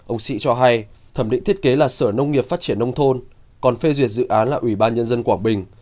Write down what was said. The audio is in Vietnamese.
ông sĩ cho hay thẩm định thiết kế là sở nông nghiệp phát triển nông thôn còn phê duyệt dự án là ủy ban nhân dân quảng bình